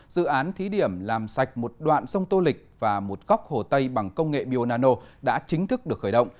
dự án thí điểm làm sạch một đoạn sông tô lịch và một góc hồ tây bằng công nghệ bionano đã chính thức được khởi động